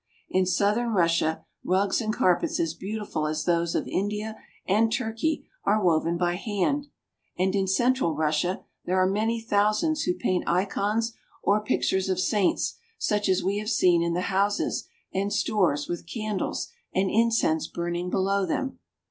In southern Russia rugs and carpets as beautiful as those of India and Turkey 342 RUSSIA. are woven by hand, and in central Russia there are many thousands who paint icons or pictures of saints, such as we have seen in the houses and stores with candles and in cense burning below them.